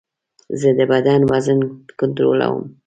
زه د بدن وزن کنټرول کوم.